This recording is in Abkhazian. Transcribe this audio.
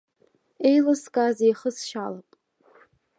Еилыскааз еихысшьалап.